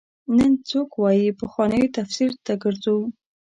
نن څوک وايي پخوانو تفسیر ته ګرځو.